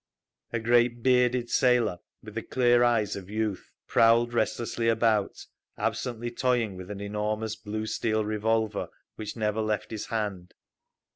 A great bearded sailor, with the clear eyes of youth, prowled restlessly about, absently toying with an enormous blue steel revolver, which never left his hand.